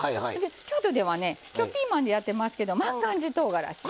京都では、今日、ピーマンでやっていますけど万願寺とうがらし